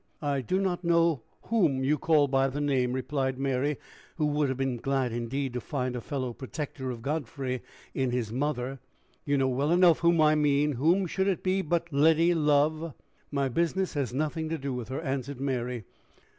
"I do not know whom you call by the name," replied Mary, who would have been glad indeed to find a fellow protector of Godfrey in his mother. "You know well enough whom I mean. Whom should it be, but Letty Lovel!" "My business has nothing to do with her," answered Mary.